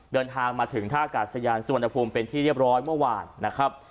เดินทางมาถึงท่ากาศยานสุวรรณภูมิเป็นที่เรียบร้อยเมื่อวานนะครับ